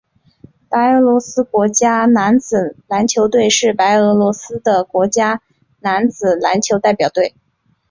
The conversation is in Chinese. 白俄罗斯国家男子篮球队是白俄罗斯的国家男子篮球代表队。